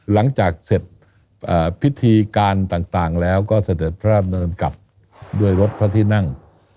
หลังจากเสร็จพิธีการต่างแล้วก็เสด็จพระราชดำเนินกลับด้วยรถพระที่นั่ง